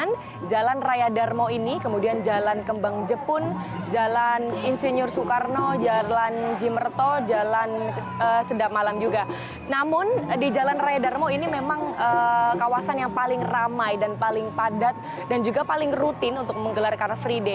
namun jalan raya darmo ini memang kawasan yang paling ramai dan paling padat dan juga paling rutin untuk menggelar car free day